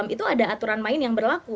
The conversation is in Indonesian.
itu ada aturan main yang berlaku